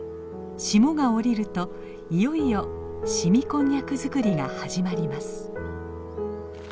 霜が降りるといよいよ凍みこんにゃく作りが始まります。